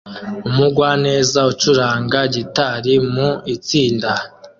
Umugwaneza ucuranga gitari mu itsinda